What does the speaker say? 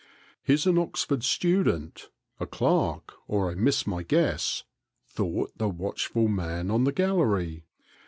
" He 's an Oxford student, a clerk, or I miss my guess," thought the watchful man on the gallery.